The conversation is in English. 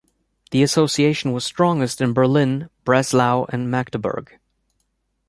The association was strongest in Berlin, Breslau, and Magdeburg.